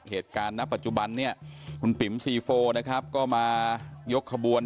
เหตุการณ์ณปัจจุบันเนี่ยคุณปิ๋มซีโฟนะครับก็มายกขบวน